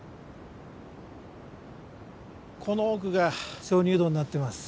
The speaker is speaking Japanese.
この奥が鍾乳洞になってます。